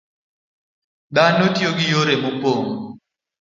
Dhano tiyo gi yore mopog